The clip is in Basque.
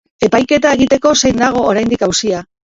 Epaiketa egiteko zain dago oraindik auzia.